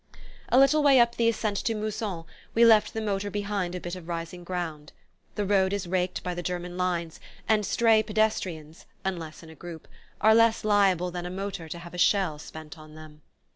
_ A little way up the ascent to Mousson we left the motor behind a bit of rising ground. The road is raked by the German lines, and stray pedestrians (unless in a group) are less liable than a motor to have a shell spent on them.